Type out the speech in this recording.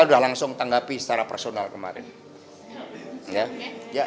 katanya kalau pdi menang pakai kura kura tapi kalau kalah jadi oposisi itu bagus